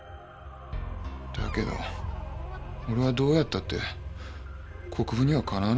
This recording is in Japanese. だけど俺はどうやったって国府にはかなわなかった。